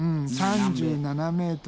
３７ｍ。